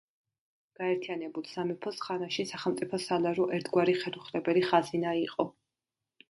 გაერთიანებულ სამეფოს ხანაში სახელმწიფოს სალარო ერთგვარი ხელუხლებელი ხაზინა იყო.